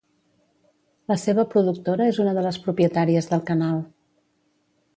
La seva productora és una de les propietàries del canal.